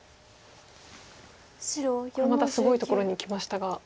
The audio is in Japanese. これまたすごいところにきましたが。